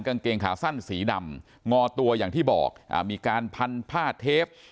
กางเกงขาสั้นสีดำงอตัวอย่างที่บอกอ่ามีการพันผ้าเทป